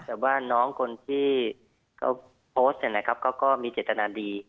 แต่ว่าน้องคนที่โพสต์นี่ก็มีเจตนาดี